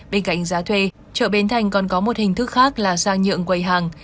bên cạnh giá thuê chợ bến thành còn có một hình thức khác là sang nhượng quầy hàng